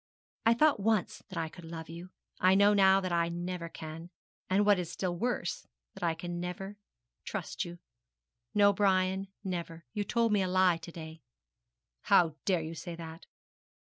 'I thought once that I could love you. I know now that I never can; and what is still worse that I never can trust you. No, Brian, never. You told me a lie to day.' 'How dare you say that?'